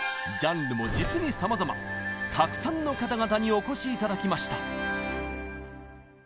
ジャンルも実にさまざまたくさんの方々にお越し頂きました。